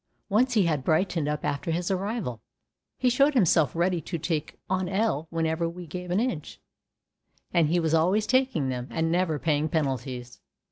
Once he had brightened up after his arrival, he showed himself ready to take an ell whenever we gave an inch, and he was always taking them, and never paying penalties.